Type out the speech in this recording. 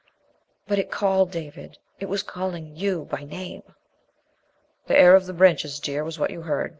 "But it called, David. It was calling you by name!" "The air of the branches, dear, was what you heard.